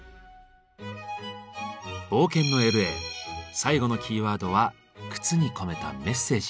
冒険のＬ．Ａ．最後のキーワードは「靴に込めたメッセージ」。